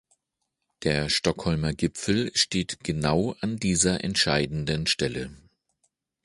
Der Stockholmer Gipfel steht genau an dieser entscheidenden Stelle.